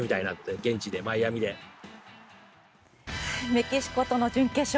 メキシコとの準決勝